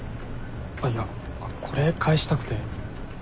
あっいやこれ返したくて。